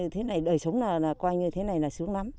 thế này đời sống là qua như thế này là sướng lắm